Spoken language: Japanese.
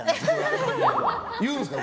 言うんですか？